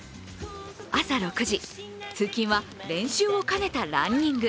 朝６時、通勤は練習を兼ねたランニング。